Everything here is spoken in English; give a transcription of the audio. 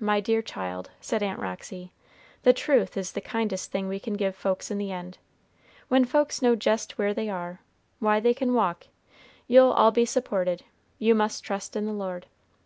"My dear child," said Aunt Roxy, "the truth is the kindest thing we can give folks in the end. When folks know jest where they are, why they can walk; you'll all be supported; you must trust in the Lord.